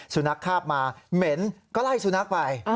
สุนัขคาบมาเหม็นก็ไล่สุนัขไป